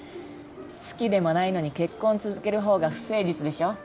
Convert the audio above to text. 好きでもないのに結婚続ける方が不誠実でしょ？